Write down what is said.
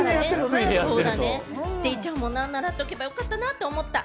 デイちゃんも何かやっておけばよかったと思った。